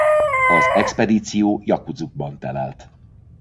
Az expedíció Jakutszkban telelt.